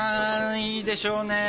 いいでしょう。